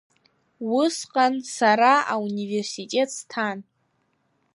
Уысҟан сара ауниверситет сҭан.